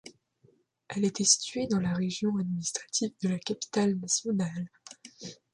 Elle était située dans la région administrative de la Capitale-Nationale.